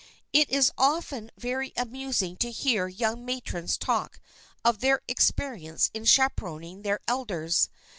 It is often very amusing to hear young matrons talk of their experience in chaperoning their elders.